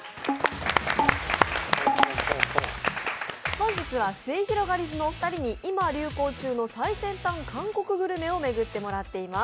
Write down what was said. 本日はすゑひろがりずのお二人に今、流行中の最先端韓国グルメを巡ってもらってます。